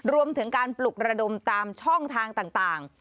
รวมถึงการปลุกระดมตามช่องทางต่าง